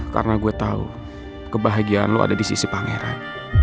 karena gue tahu kebahagiaan lo ada di sisi pangeran